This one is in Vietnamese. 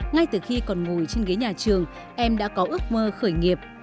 nguyễn hải nam còn ngồi trên ghế nhà trường em đã có ước mơ khởi nghiệp